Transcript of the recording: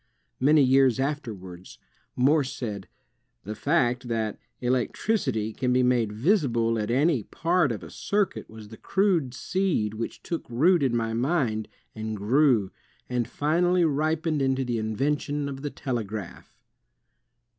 Many years afterwards, Morse said: '^The fact that ... electricity can be made visible at any ... part of a circuit was the crude seed which took root in my mind, and grew ..., and finally ripened into the invention of the telegraph."